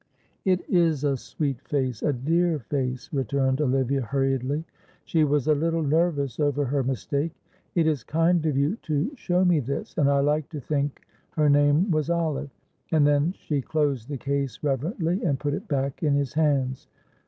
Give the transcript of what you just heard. "It is a sweet face a dear face," returned Olivia, hurriedly. She was a little nervous over her mistake. "It is kind of you to show me this, and I like to think her name was Olive." And then she closed the case reverently and put it back in his hands.